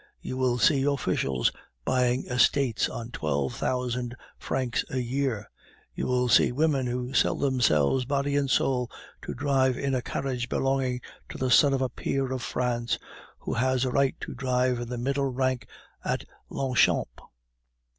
You will see officials buying estates on twelve thousand francs a year. You will see women who sell themselves body and soul to drive in a carriage belonging to the son of a peer of France, who has a right to drive in the middle rank at Longchamp.